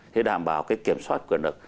để đảm bảo cái kiểm soát quyền lực